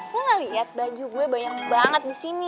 lo ga liat baju gue banyak banget disini